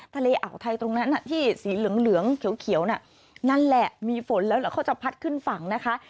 ทะเลอ่าวไทยตรงนั้นที่สีเหลืองเหลืองเขียวนั่นแหละมีฝนแล้วเขาจะพัดขึ้นฝั่งนะคะ